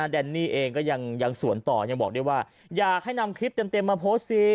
แดนนี่เองก็ยังสวนต่อยังบอกได้ว่าอยากให้นำคลิปเต็มมาโพสต์สิ